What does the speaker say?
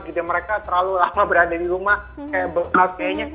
jadi mereka terlalu lama berada di rumah kayak burn out kayaknya